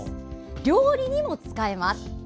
料理にも使えます。